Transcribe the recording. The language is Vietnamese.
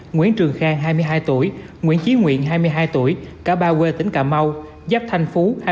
nguyễn trường khang hai mươi hai tuổi nguyễn chí nguyện hai mươi hai tuổi cả ba quê tỉnh cà mau giáp thanh phú